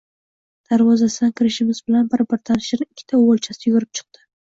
Darvozasidan kirishimiz bilan bir-biridan shirin ikkita o`g`ilchasi yugurib chiqdi